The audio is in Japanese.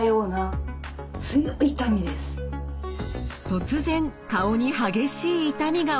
突然顔に激しい痛みが起こる。